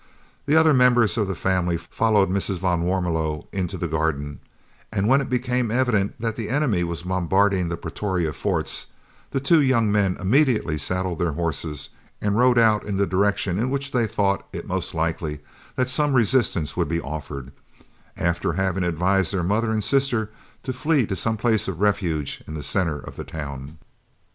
The other members of the family followed Mrs. van Warmelo into the garden: and when it became evident that the enemy was bombarding the Pretoria Forts, the two young men immediately saddled their horses and rode out in the direction in which they thought it most likely that some resistance would be offered, after having advised their mother and sister to flee to some place of refuge in the centre of the town.